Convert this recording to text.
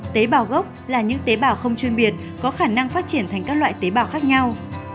tế bào gốc là những tế bào không chuyên biệt có khả năng phát triển thành các loại tế bào khác nhau